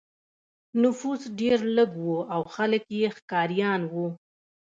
نفوس ډېر لږ و او خلک یې ښکاریان وو.